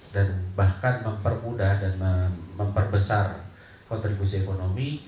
dan bahkan mempermudah dan memperbesar kontribusi ekonomi